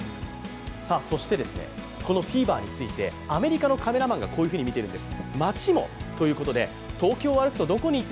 そしてこのフィーバーについてアメリカのカメラマンがこのように見ているんです。